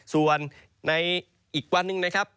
ส่วนในอีกวันหนึ่งนะครับ